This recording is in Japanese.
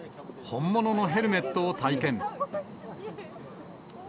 本物のヘルメットを体験。